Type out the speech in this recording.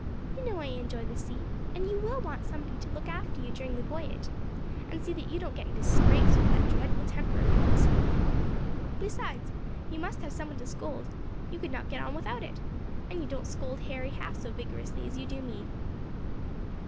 You know I enjoy the sea, and you will want somebody to look after you during the voyage, and to see that you don't get into scrapes with that dreadful temper of yours. Besides, you must have some one to scold; you could not get on without it, and you don't scold Harry half so vigorously as you do me."